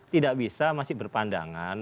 tidak bisa masih berpandangan